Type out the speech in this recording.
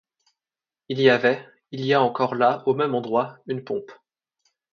Il y avait, il y a encore là, au même endroit, une pompe.